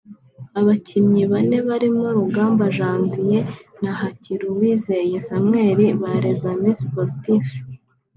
abakinnyi bane barimo Rugamba Janvier na Hakiruwizeye Samuel ba Les Amis Sportifs